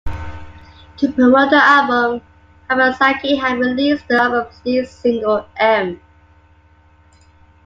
To promote the album, Hamasaki had released the album's lead single "M".